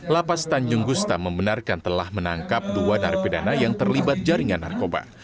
lapas tanjung gusta membenarkan telah menangkap dua narapidana yang terlibat jaringan narkoba